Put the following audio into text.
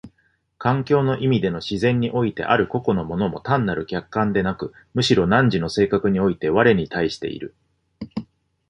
環境の意味での自然においてある個々の物も単なる客観でなく、むしろ汝の性格において我に対している。